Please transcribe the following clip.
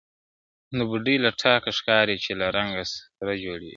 د بوډۍ له ټاله ښکاري چی له رنګه سره جوړ دی،